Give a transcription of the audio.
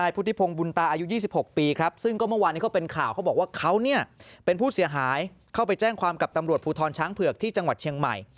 เป็นผู้เสียหายเข้าไปแจ้งความกับตำรวจผูธรช้างเผือกที่จังหวัดเชียงใหม่